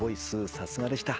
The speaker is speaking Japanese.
さすがでした。